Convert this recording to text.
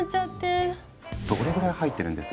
どれぐらい入ってるんです？